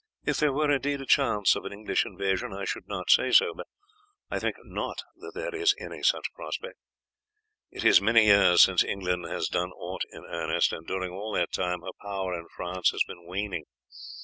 If there were indeed a chance of an English invasion I should not say so, but I think not that there is any such prospect. It is many years since England has done aught in earnest, and during all that time her power in France has been waning.